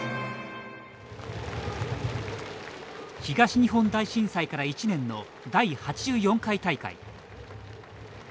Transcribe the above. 東日本大震災から１年の第８４回大会。